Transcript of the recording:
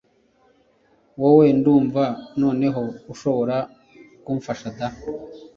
Wowe ndumva noneho ushoba kumfasha da